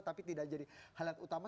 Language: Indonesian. tapi tidak jadi hal yang utama